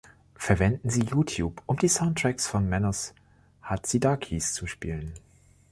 Verwenden Sie YouTube, um die Soundtracks von Manos Hadzidakis zu spielen.